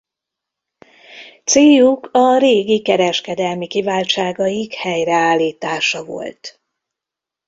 Céljuk a régi kereskedelmi kiváltságaik helyreállítása volt.